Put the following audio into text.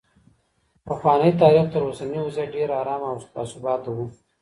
پخوانی تاریخ تر اوسني وضعیت ډېر ارام او باثباته و.